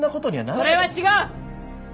それは違う！